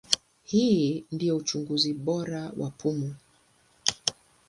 Hii ndio uchunguzi bora wa pumu.